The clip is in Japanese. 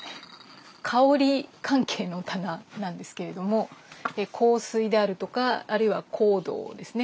香り関係の棚なんですけれども香水であるとかあるいは香道ですね。